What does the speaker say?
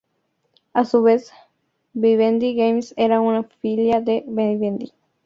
A su vez, Vivendi Games era una filial de Vivendi.